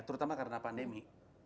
terutama karena pandemi